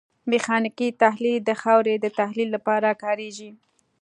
میخانیکي تحلیل د خاورې د تحلیل لپاره کاریږي